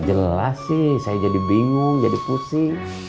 jelas sih saya jadi bingung jadi pusing